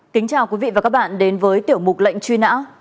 kính chào quý vị và các bạn đến với tiểu mục lệnh truy nã